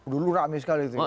dulu rame sekali itu